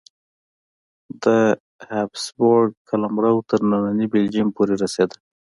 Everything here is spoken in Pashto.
د هابسبورګ قلمرو تر ننني بلجیم پورې رسېده.